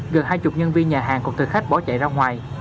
gần hai mươi nhân viên nhà hàng còn thường khách bỏ chạy ra ngoài